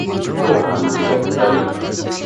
ওহ, দুঃখিত, নানী।